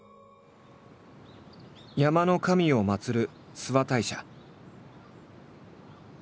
山の神を祭る諏訪大社。